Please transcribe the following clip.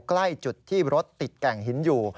ใกล้จุดที่รถติดแก่งหินอยู่